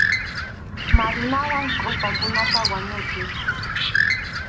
Marunawan kʼurpakunata wañuchiy.